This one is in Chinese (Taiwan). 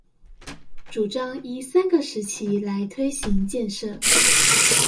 主張依三個時期來推行建設